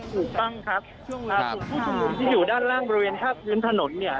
ถูกต้องครับที่อยู่ด้านล่างบริเวณภาพพื้นถนนเนี่ย